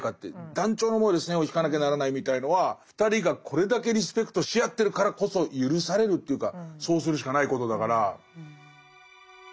断腸の思いで線を引かなきゃならないみたいのは２人がこれだけリスペクトし合ってるからこそ許されるというかそうするしかないことだから。